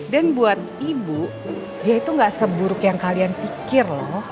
dan buat ibu dia itu gak seburuk yang kalian pikir loh